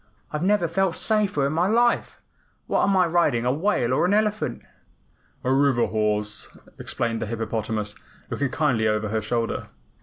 "I never felt safer in my life. What am I riding, a whale or an elephant?" "A river horse," explained the hippopotamus, looking kindly over her shoulder.